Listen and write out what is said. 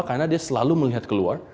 karena dia selalu melihat keluar